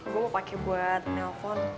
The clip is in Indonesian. gue mau pake buat telfon